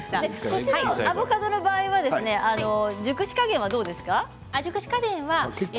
アボカドの熟し加減はどうですか？